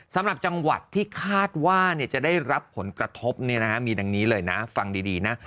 สำหรับจังหวัดที่คาดว่าจะได้รับผลกระทบมีดังนี้เลยนะฟังดีนะ